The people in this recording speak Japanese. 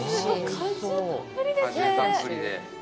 果汁たっぷりですね。